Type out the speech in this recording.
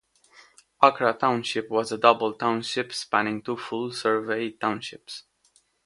Akra Township was a "double township," spanning two full survey townships.